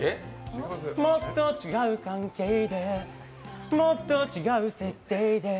もっと違う関係でもっと違う設定で